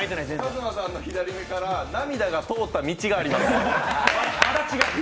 ＫＡＺＭＡさんの左目から涙の通った道があります。